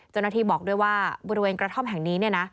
เจ้าหน้าที่บอกด้วยว่าบริเวณกระท่อมแห่งนี้เนี่ยนะ